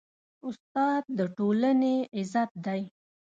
استاد د ټولنې عزت دی.